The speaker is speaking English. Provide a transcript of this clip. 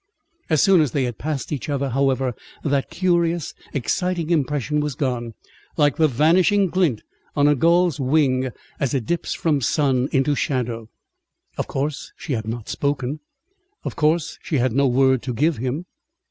As soon as they had passed each other, however, that curious, exciting impression was gone, like the vanishing glint on a gull's wing as it dips from sun into shadow. Of course she had not spoken; of course she had no word to give him.